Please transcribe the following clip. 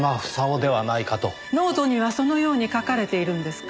ノートにはそのように書かれているんですか？